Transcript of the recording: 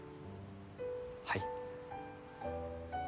はい。